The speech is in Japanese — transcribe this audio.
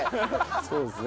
そうですね。